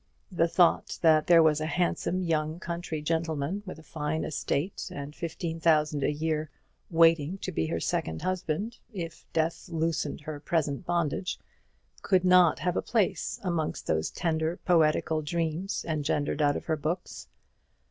The thought that there was a handsome young country gentleman with a fine estate and fifteen thousand a year waiting to be her second husband, if death loosened her present bondage, could not have a place amongst those tender poetical dreams engendered out of her books.